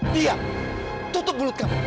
tapi sudah ada mulutnya